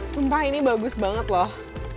sumpah ini bagus banget loh